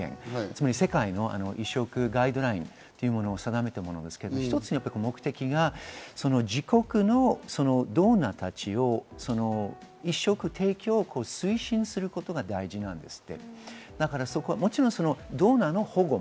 つまり世界の移植ガイドラインというものを定めたものですが、一つ目的が自国のドナーたちを移植提供を推進することが大事なんです。